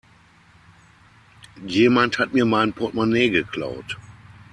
Jemand hat mir mein Portmonee geklaut.